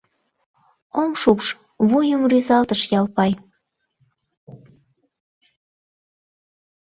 — Ом шупш, — вуйым рӱзалтыш Ялпай.